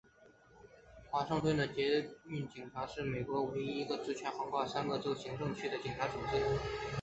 华盛顿的捷运警察是美国唯一一个职权横跨三个州级行政区的警察组织。